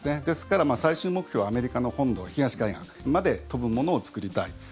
ですから、最終目標はアメリカの本土、東海岸まで飛ぶものを作りたい。